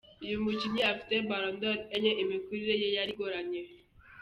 Uyu mukinnyi ufite Ballon d’Or enye imikurire ye yari igoranye.